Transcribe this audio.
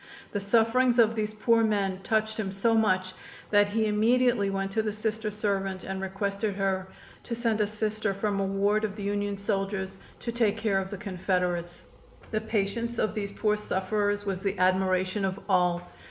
The sufferings of these poor men touched him so much that he immediately went to the Sister servant and requested her to send a Sister from a ward of the Union soldiers to take care of the Confederates. The patience of these poor sufferers was the admiration of all.